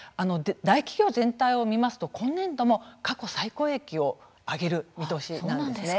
大企業全体を見ますと今年度も過去最高益を上げる見通しなんですね。